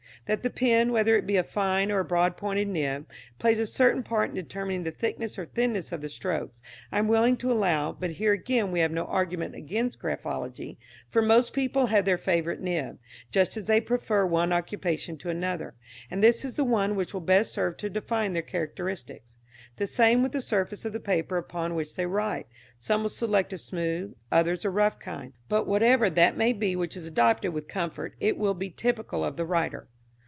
"That the pen, whether it be a fine or a broad pointed nib, plays a certain part in determining the thickness or thinness of the strokes, I am willing to allow, but here again we have no argument against graphology, for most people have their favourite nib just as they prefer one occupation to another and this is the one which will best serve to define their characteristics. The same with the surface of the paper upon which they write; some will select a smooth, others a rough kind, but whatever that may be which is adopted with comfort, it will be typical of the writer."